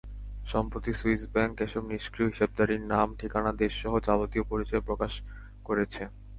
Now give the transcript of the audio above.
সম্প্রতি Swiss bank এসব নিষ্ক্রিয় হিসাবধারীর নাম, ঠিকানা, দেশসহ যাবতীয় পরিচয় প্রকাশ করেছে।